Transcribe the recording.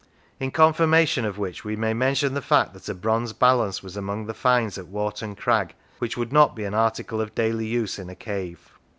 In confirmation of which we may mention the fact that a bronze balance was among the finds at Warton Crag, which would not be an article of daily use in a cave.